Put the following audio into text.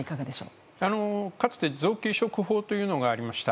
かつて臓器移植法というのがありました。